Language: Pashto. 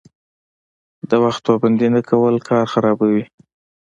د وخت پابندي نه کول کار خرابوي.